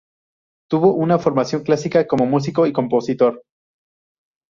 Tuvo una formación clásica como músico y compositor.